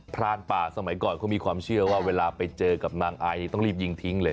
รานป่าสมัยก่อนเขามีความเชื่อว่าเวลาไปเจอกับนางไอต้องรีบยิงทิ้งเลย